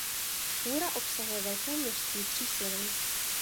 Kůra obsahuje velké množství tříslovin.